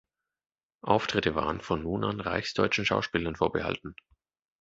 Auftritte waren von nun an "reichsdeutschen Schauspielern" vorbehalten.